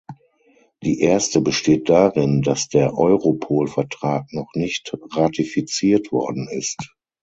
Die erste besteht darin, dass der Europol-Vertrag noch nicht ratifiziert worden ist.